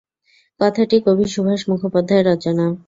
কথাটি কবি সুভাষ মুখোপাধ্যায়ের রচনা।